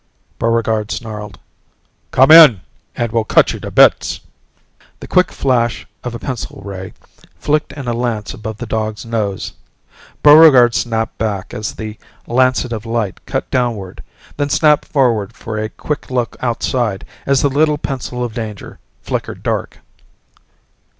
Buregarde snarled, "Come in and we'll cut you to bits!" The quick flash of a pencil ray flicked in a lance above the dog's nose: Buregarde snapped back as the lancet of light cut downward, then snapped forward for a quick look outside as the little pencil of danger flickered dark.